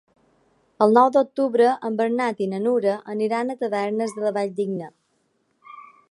El nou d'octubre en Bernat i na Nura aniran a Tavernes de la Valldigna.